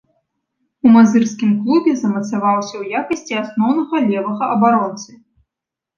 У мазырскім клубе замацаваўся ў якасці асноўнага левага абаронцы.